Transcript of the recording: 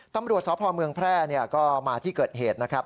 ตำรวจสพเมืองแพร่ก็มาที่เกิดเหตุนะครับ